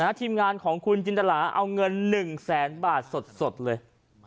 ทีมงานของคุณจินตราเอาเงิน๑แสนบาทสดเลย